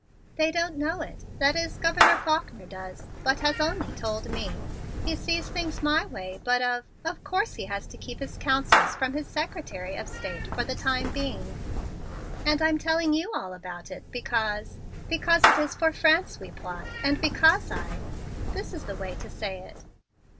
"They don't know it that is, Governor Faulkner does, but has told only me. He sees things my way but of of course, he has to keep his councils from his Secretary of State for the time being. And I'm telling you all about it, because because it is for France we plot and because I this is the way to say it."